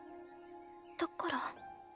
だから。